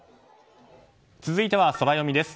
続いてはソラよみです。